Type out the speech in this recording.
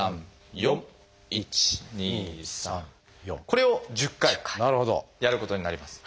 これを１０回やることになります。